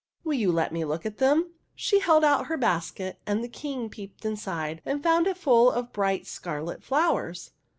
"Will you let me look at them?'' She held out her basket, and the King peeped inside and found it full of bright scarlet flowers.